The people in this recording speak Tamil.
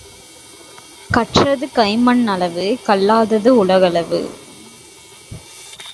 கற்றது கைம்மண்ணளவு கல்லாதது உலகளவு.